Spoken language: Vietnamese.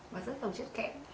và rất giàu chất kẹm